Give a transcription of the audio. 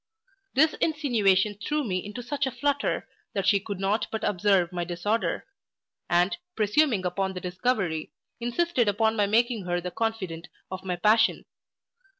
This insinuation threw me into such a flutter, that she could not but observe my disorder; and, presuming upon the discovery, insisted upon my making her the confidante of my passion.